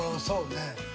そうね。